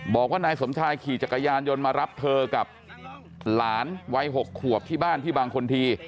บอกว่านายสมชายขี่จักรยานยนต์มารับเธอกับหลานวัย๖ขวบที่บ้านที่บางคนที